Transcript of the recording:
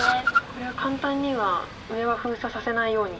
これは簡単には上は封鎖させないように。